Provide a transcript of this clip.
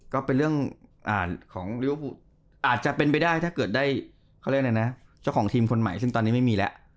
ก็เป็นเรื่องของลิเวอร์ฟูลอาจจะเป็นไปได้ถ้าเกิดได้เขาเรียกอะไรนะเจ้าของทีมคนใหม่ซึ่งตอนนี้ไม่มีแล้ว